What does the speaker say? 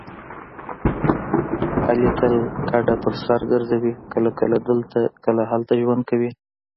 علي تل کډه په سر ګرځوي کله دلته کله هلته ژوند کوي.